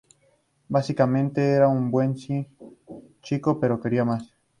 Básicamente era un buen chico, pero quería más.